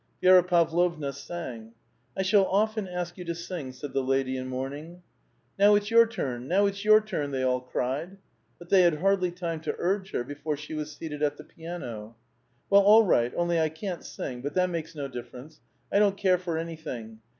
Vi^ra Pavlovna sang. *' I shall often ask yon to sing," said the lady in mourning. *' Now it's your turn ! now it's your turn !" the}' all cried. But they had hardly time to urge her before she was seated at the piano. *' Well, all right, only I can't sing ; but that makes no difl'erence. I don't care for anything.